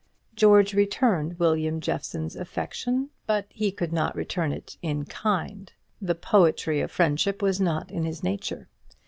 George returned William Jeffson's affection, but he could not return it in kind. The poetry of friendship was not in his nature.